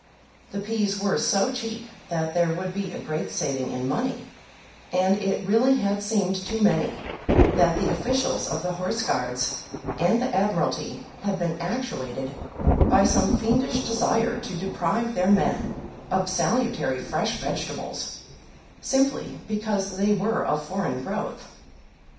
The peas were so cheap that there would be a great saving in money, and it really had seemed to many that the officials of the Horse Guards and the Admiralty had been actuated by some fiendish desire to deprive their men of salutary fresh vegetables, simply because they were of foreign growth.